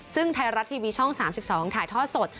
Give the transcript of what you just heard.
ซึ่งไทยรัฐทีวีช่อง๓๒ถ่ายทอดสด